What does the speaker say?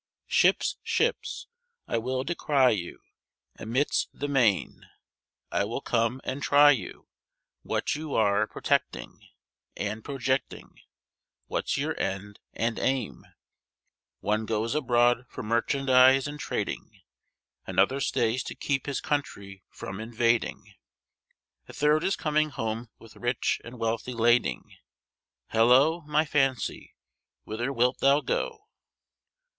Ships, ships, I will descrie you Amidst the main, I will come and try you, What you are protecting, And projecting, What's your end and aim. One goes abroad for merchandise and trading, Another stays to keep his country from invading, A third is coming home with rich and wealthy lading. Hallo! my fancie, whither wilt thou go?